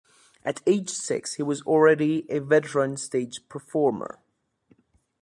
At age six, he was already a veteran stage performer.